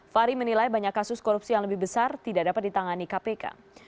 fahri menilai banyak kasus korupsi yang lebih besar tidak dapat ditangani kpk